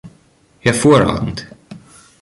Hervorragend.